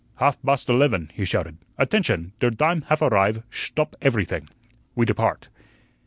"Haf bast elevun," he shouted. "Attention! Der dime haf arrive, shtop eferyting. We depart."